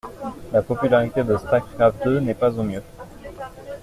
La popularité de starcraft deux n'est pas au mieux.